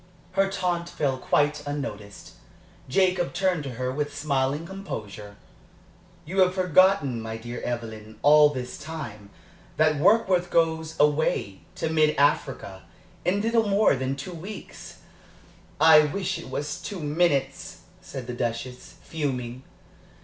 Her taunt fell quite unnoticed. Jacob turned to her with smiling composure. "You have forgotten, my dear Evelyn, all this time, that Warkworth goes away to mid Africa in little more than two weeks." "I wish it was two minutes," said the Duchess, fuming.